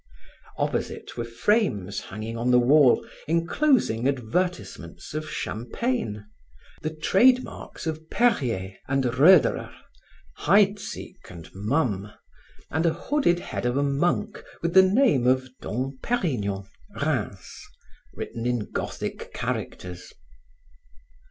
Opposite were frames hanging on the wall enclosing advertisements of Champagne, the trade marks of Perrier and Roederer, Heidsieck and Mumm, and a hooded head of a monk, with the name of Dom Perignon, Rheims, written in Gothic characters.